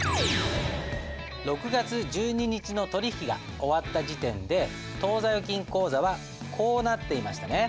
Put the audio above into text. ６月１２日の取引が終わった時点で当座預金口座はこうなっていましたね。